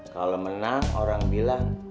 kalau menang orang bilang